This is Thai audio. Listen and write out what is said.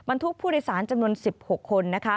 ทุกผู้โดยสารจำนวน๑๖คน